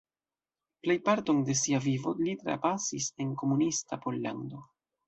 Plejparton de sia vivo li trapasis en komunista Pollando.